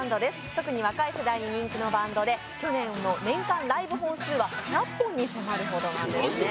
特に若い世代の人気のバンドで去年の年間ライブ本数は１００本に迫るほどなんですよね